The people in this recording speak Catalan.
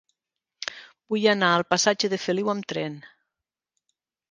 Vull anar al passatge de Feliu amb tren.